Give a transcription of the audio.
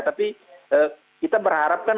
tapi kita berharapkan